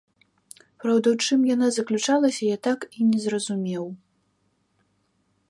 Праўда, у чым яна заключалася, я так і не зразумеў.